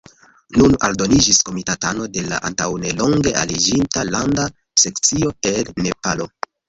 Nun aldoniĝis komitatano de la antaŭnelonge aliĝinta Landa Sekcio el Nepalo.